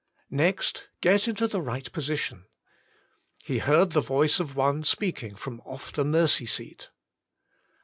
!^ext. Get into the Eight Position. He heard the Voice of One speaking from off the mercy seat.